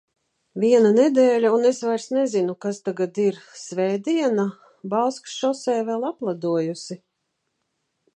Viena nedēļa, un es vairs nezinu, kas tagad ir... Svētdiena? Bauskas šoseja vēl apledojusi.